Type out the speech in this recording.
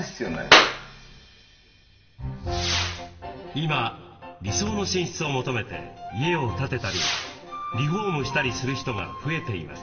今理想の寝室を求めて家を建てたりリフォームしたりする人が増えています。